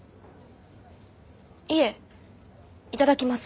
いえ頂きます。